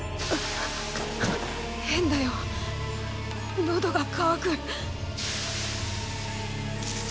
変だよ喉が渇く。